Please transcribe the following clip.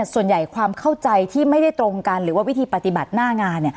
ความเข้าใจที่ไม่ได้ตรงกันหรือว่าวิธีปฏิบัติหน้างาน